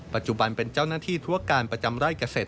ปัจจุบันเป็นเจ้าหน้าที่ธุรการประจำไร่เกษตร